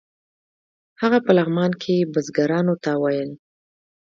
هغه په لغمان کې بزګرانو ته ویل.